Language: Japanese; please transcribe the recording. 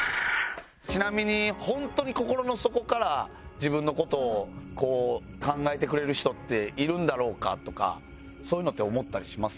ちなみに本当に心の底から自分の事を考えてくれる人っているんだろうかとかそういうのって思ったりしますか？